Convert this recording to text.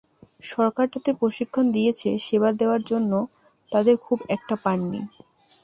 সরকার যাদের প্রশিক্ষণ দিয়েছে সেবা দেওয়ার জন্য তাদের খুব একটা পাইনি।